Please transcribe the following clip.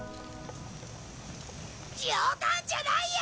冗談じゃないよ！